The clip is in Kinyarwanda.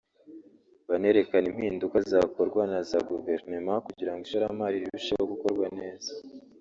banerekane impinduka zakorwa na za Guverinoma kugira ngo ishoramari rirusheho gukorwa neza